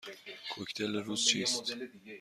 کوکتل روز چیست؟